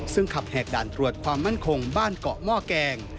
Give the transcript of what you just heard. ซึ่งขับแหกด่านตรวจความมั่นคงบ้านเกาะหม้อแกง